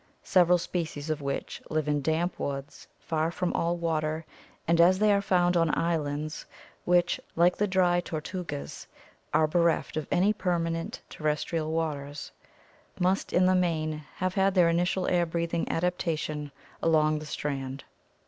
several species of which live in damp woods far from all water and, as they are found on islands which, like the Dry Tortugas, are bereft of any permanent terrestrial waters, must in the main have had their initial air breathing adaptation along the strand.